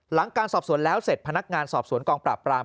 หลังการสอบสวนแล้วเสร็จพนักงานสอบสวนกองปราบปราม